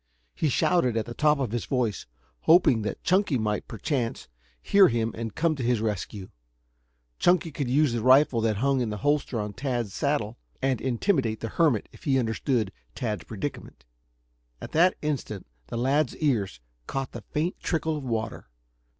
He shouted at the top of his voice, hoping that Chunky might, perchance, hear him and come to his rescue. Chunky could use the rifle that hung in the holster on Tad's saddle and intimidate the hermit if he understood Tad's predicament. At that instant the lad's ears caught the faint trickle of water.